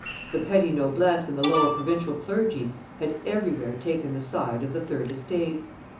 The petty noblesse and the lower provincial clergy had everywhere taken the side of the third estate.